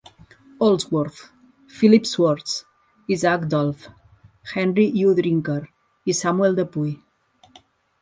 Allsworth, Philip Swartz, Isaac Dolph, Henry W. Drinker i Samuel De Puy.